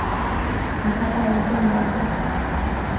আঁকাটা একদম বাজে।